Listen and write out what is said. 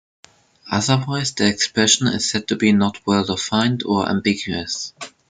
Otherwise, the expression is said to be "not well-defined" or "ambiguous".